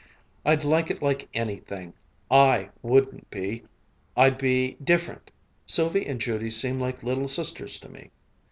"I'd like it like anything! I wouldn't be ... I'd be different! Sylvie and Judy seem like little sisters to me."